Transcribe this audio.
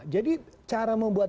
jadi cara membuat